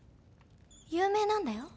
有名なんだよ